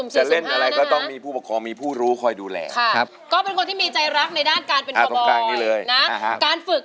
อย่าเอาเป็นเล่นสุ่มศีลสุ่มภาพนะครับ